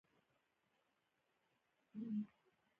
پسرلی زما د خوښې موسم دی.